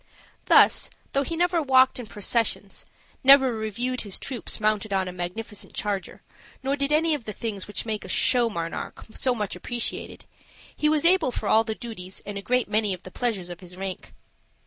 Thus, though he never walked in processions, never reviewed his troops mounted on a magnificent charger, nor did any of the things which make a show monarch so much appreciated, he was able for all the duties and a great many of the pleasures of his rank.